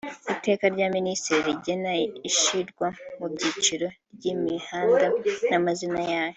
Iteka rya Minisitiri rigena ishyirwa mu byiciro ry’imihanda n’amazina yayo;